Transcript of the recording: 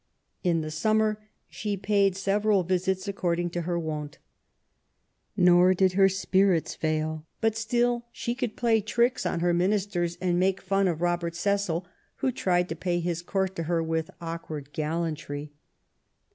In the summer she paid several visits according to her wont. Nor did her spirits fail, but 298 QUEEN ELIZABETH. Still she could play tricks on her ministers, and make fun of Robert Cecil, who tried to pay his court to her with awkward gallantry.